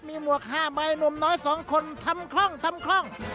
มีหมวก๕ใบหน่วย๒คนทำคล่อง